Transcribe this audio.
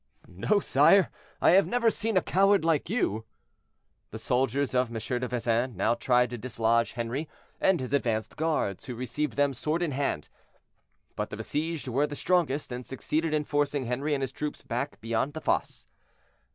"No, sire, I have never seen a coward like you." The soldiers of M. de Vezin now tried to dislodge Henri and his advanced guards, who received them sword in hand; but the besieged were the strongest, and succeeded in forcing Henri and his troops back beyond the fosse.